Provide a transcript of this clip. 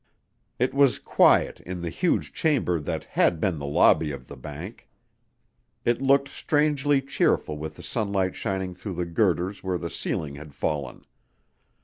It was quiet in the huge chamber that had been the lobby of the bank. It looked strangely cheerful with the sunlight shining through the girders where the ceiling had fallen.